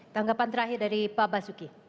tanggapan terakhir dari pak basuki